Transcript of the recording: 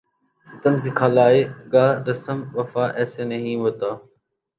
ستم سکھلائے گا رسم وفا ایسے نہیں ہوتا